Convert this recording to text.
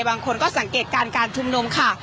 บางคนก็สังเกตการณ์การชุมนุมค่ะ